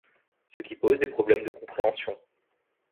Ce qui pose des problèmes de compréhension.